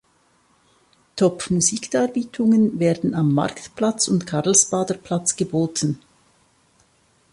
Top-Musikdarbietungen werden am Marktplatz und Karlsbader Platz geboten.